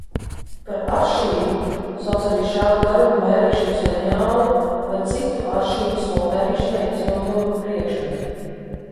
Par aršīnu sauc arī šāda garuma mērīšanas lineālu vai citu aršīnas nomērīšanai izmantojamu priekšmetu.